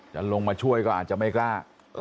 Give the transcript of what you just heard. จะลงมาช่วยก็อาจจะไม่กล้า